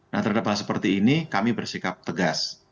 nah terhadap hal seperti ini kami bersikap tegas